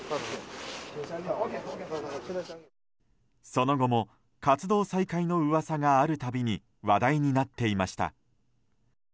その後も活動再開の噂があるたびに話題になっていました。